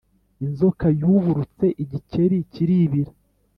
inzoka yuburutse igikeri kiribira.